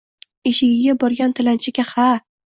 Eshigiga borgan tilanchiga ha